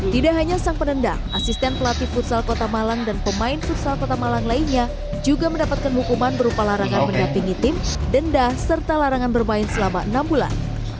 tidak hanya sang penendang asisten pelatih futsal kota malang dan pemain futsal kota malang lainnya juga mendapatkan hukuman berupa larangan mendapingi tim denda serta larangan bermain selama enam bulan